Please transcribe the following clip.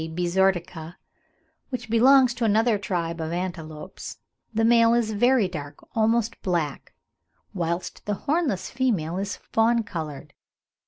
bezoartica), which belongs to another tribe of antelopes, the male is very dark, almost black; whilst the hornless female is fawn coloured.